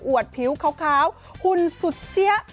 วดผิวขาวหุ่นสุดเสี้ย